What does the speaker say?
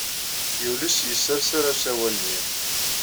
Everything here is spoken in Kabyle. Yules yesserser usawal-nni.